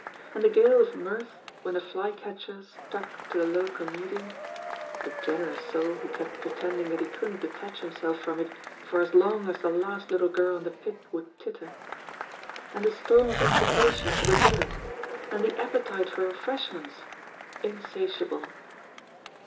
And the gale of mirth when a fly catcher stuck to the low comedian — a gener ous soul who kept pretending that he couldn^t detach himself from it for as long as the last little girl in the pit would titter I And the storm of execration for the villain! And the appetite for refreshments — insatiable!